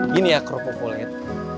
gini ya kropo polet